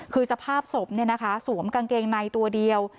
คือสภาพศพสวมกางเกงในตัวเดียว